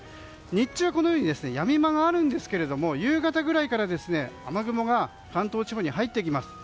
日中はこのようにやみ間はあるんですが夕方ぐらいから雨雲が関東地方に入ってきます。